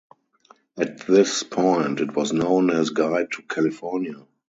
At this point it was known as "Guide to California".